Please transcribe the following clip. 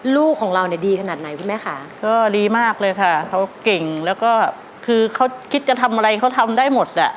ลูกของเราเนี่ยดีขนาดไหนคุณแม่ค่ะก็ดีมากเลยค่ะเขาเก่งแล้วก็คือเขาคิดจะทำอะไรเขาทำได้หมดอ่ะ